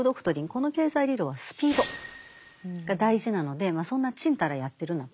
この経済理論はスピードが大事なのでそんなちんたらやってるなと。